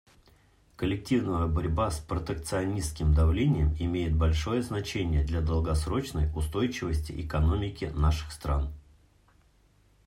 Коллективная борьба с протекционистским давлением имеет большое значение для долгосрочной устойчивости экономики наших стран.